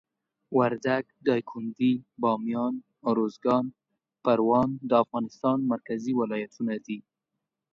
وردګ، دایکندي، بامیان، اروزګان، پروان د افغانستان مرکزي ولایتونه دي.